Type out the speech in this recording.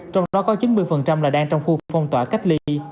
trong đó có chín mươi là đang trong khu phong tỏa cách ly